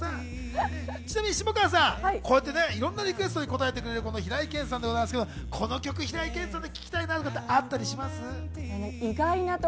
ちなみに下川さん、いろんなリクエストに応えてくれる平井堅さんですが、この曲、平井堅さんの声で聴きたいっていうのありますか？